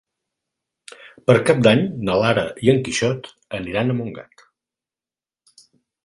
Per Cap d'Any na Lara i en Quixot aniran a Montgat.